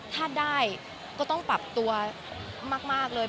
ถ้าได้ก็ต้องปรับตัวมากเลย